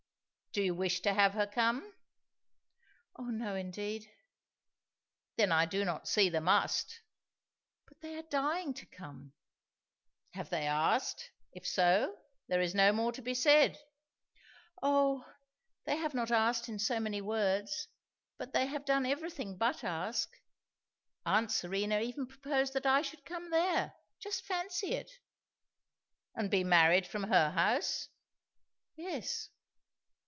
"Do you wish to have her come?" "Oh no, indeed!" "Then I do not see the 'must.'" "But they are dying to come." "Have they asked? If so, there is no more to be said." "O they have not asked in so many words. But they have done everything but ask. Aunt Serena even proposed that I should come there just fancy it!" "And be married from her house?" "Yes."